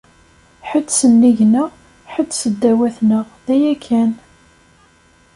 Ḥedd sennig- neɣ, ḥedd seddaw-atneɣ, d aya kan.